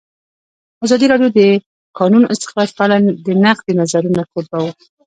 ازادي راډیو د د کانونو استخراج په اړه د نقدي نظرونو کوربه وه.